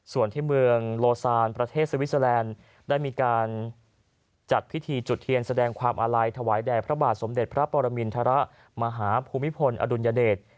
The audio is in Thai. ส่วนที่เมืองโลซานประเทศสวิสเตอร์แลนด์ได้มีการจัดพิธีจุดเทียนแสดงความอาลัยถวายแด่พระบาทสมเด็จพระปรมินทรมาหาภูมิพลอดุลยเดช